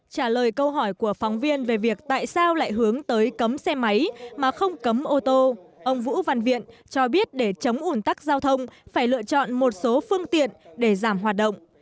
trả lời câu hỏi của phóng viên về việc tại sao lại hướng tới cấm xe máy mà không cấm ô tô ông vũ văn viện cho biết để chống ủn tắc giao thông phải lựa chọn một số phương tiện để giảm hoạt động